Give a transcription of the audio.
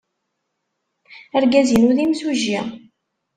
Argaz-inu d imsujji.